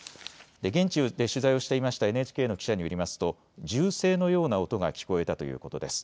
現地で取材をしていましたＮＨＫの記者によりますと銃声のような音が聞こえたということです。